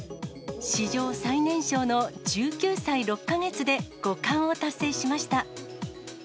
史上最年少の１９歳６か月で五冠を達成しました。